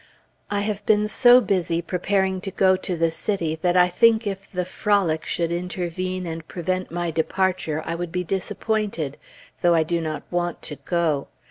I have been so busy preparing to go to the city that I think if the frolic should intervene and prevent my departure, I would be disappointed, though I do not want to go.